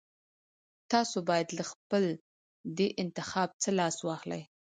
تاسو بايد له خپل دې انتخاب څخه لاس واخلئ.